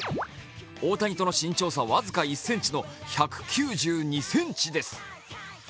大谷との身長差僅か１ｃｍと１９２ｃｍです。